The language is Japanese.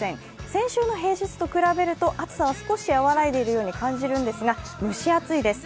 先週の平日と比べると暑さは少し和らいでいるように感じますが蒸し暑いです。